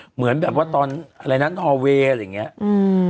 เหมือนแบบว่าตอนอะไรนั้นนอเวย์อะไรอย่างเงี้ยอืม